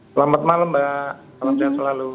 selamat malam mbak selamat siang selalu